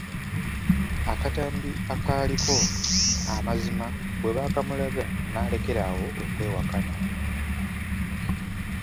Akatambi akaaliko amazima bwe baakamulaga n'alekera awo okwewakana.